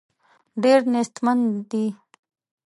ډېر نېستمن دي.